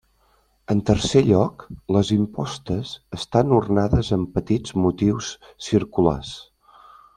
En tercer lloc les impostes estan ornades amb petits motius circulars.